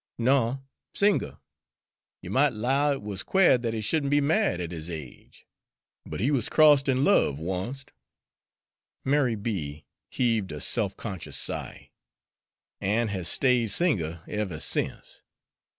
"No, single. You mought 'low it was quare that he should n' be married at his age; but he was crossed in love oncet," Mary B. heaved a self conscious sigh, "an' has stayed single ever sence.